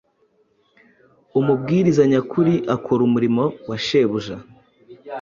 Umubwiriza nyakuri akora umurimo wa Shebuja.